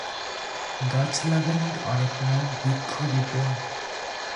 গাছ লাগানোর আরেক নাম বৃক্ষরোপণ।